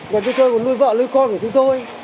và chúng tôi còn nuôi vợ nuôi con của chúng tôi